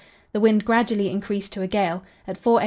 The wind gradually increased to a gale. At 4 a.